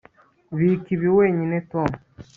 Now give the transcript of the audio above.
Bika ibi wenyine Tom